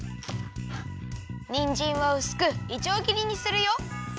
にんじんはうすくいちょうぎりにするよ。